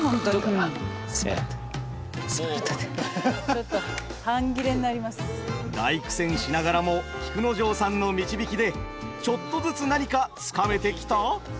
ちょっと大苦戦しながらも菊之丞さんの導きでちょっとずつ何かつかめてきた？